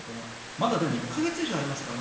まだでも１か月以上ありますからね。